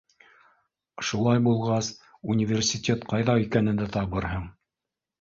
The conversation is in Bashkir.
Шулай булғас, университет ҡайҙа икәнен дә табырһың!